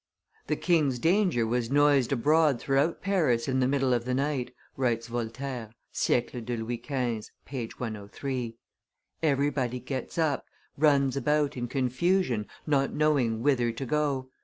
"The king's danger was noised abroad throughout Paris in the middle of the night," writes Voltaire [Siecle de Louis XV., p. 103]: "everybody gets up, runs about, in confusion, not knowing whither to go.